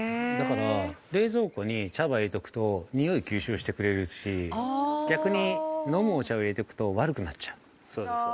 ◆冷蔵庫に茶葉入れておくと、ニオイ、吸収してくれるし逆に、飲むお茶を入れとくと悪くなっちゃう。